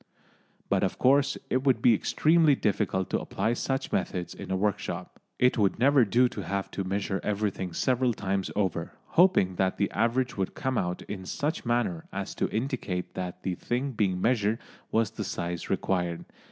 But of course it would be extremely difficult to apply such methods in a workshop. It would never do to have to measure everything several times over, hoping that the average would come out in such manner as to indicate that the thing being measured was the size required.